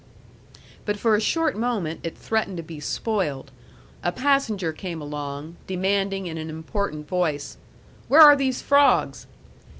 But for a short moment it threatened to be spoiled. A passenger came along, demanding in an important voice, "Where are these frogs?"